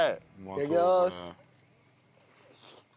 いただきます。